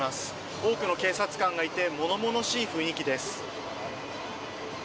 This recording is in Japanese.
多くの警察官がいて物々しい雰囲気です。